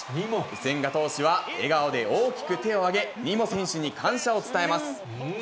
千賀投手は笑顔で大きく手を挙げ、ニモ選手に感謝を伝えます。